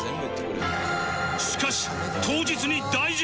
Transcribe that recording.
しかし当日に大事件が！